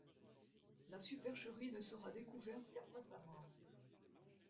La supercherie ne sera découverte qu'après sa mort.